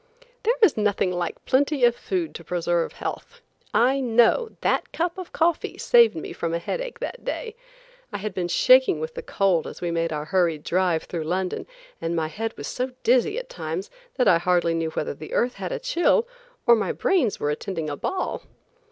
There is nothing like plenty of food to preserve health. I know that cup of coffee saved me from a headache that day. I had been shaking with the cold as we made our hurried drive through London, and my head was so dizzy at times that I hardly knew whether the earth had a chill or my brains were attending a ball.